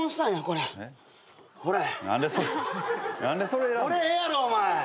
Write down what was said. これええやろお前。